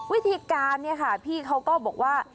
วิธีการเนี่ยค่ะพี่เขาก็บอกว่า